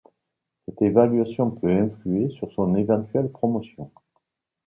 Cette évaluation peut influer sur son éventuelle promotion.